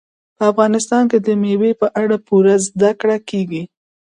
په افغانستان کې د مېوو په اړه پوره زده کړه کېږي.